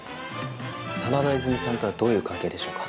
真田和泉さんとはどういう関係でしょうか？